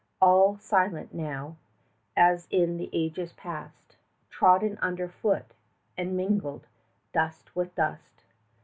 All silent now, as in the ages past, Trodden under foot and mingled, dust with dust.